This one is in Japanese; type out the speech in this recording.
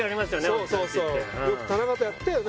そうそうそうよく田中とやったよな